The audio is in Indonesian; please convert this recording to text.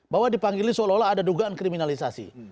bahwa dipanggil seolah olah ada dugaan kriminalisasi